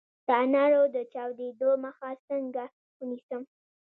د انارو د چاودیدو مخه څنګه ونیسم؟